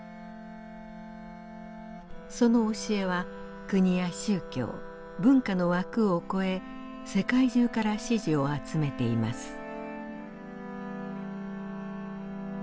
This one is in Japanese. その教えは国や宗教文化の枠を超え世界中から支持を集めています。